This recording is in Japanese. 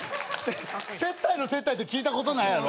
接待の接待って聞いたことないやろ？